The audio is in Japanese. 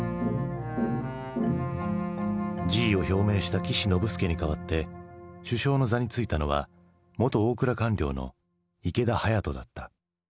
辞意を表明した岸信介に代わって首相の座についたのは元大蔵官僚の池田勇人だった。